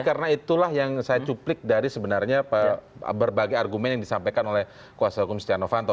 karena itulah yang saya cuplik dari sebenarnya berbagai argumen yang disampaikan oleh kuasa hukum setia novanto